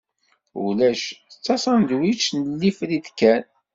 Ulac, d asandwič n lifrit kan.